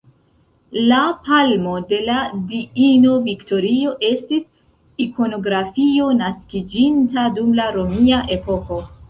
La palmo de la diino Viktorio estis ikonografio naskiĝinta dum la romia epoko.